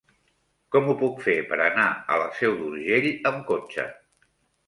Com ho puc fer per anar a la Seu d'Urgell amb cotxe?